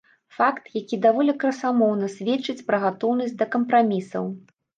Факт, які даволі красамоўна сведчыць пра гатоўнасць да кампрамісаў.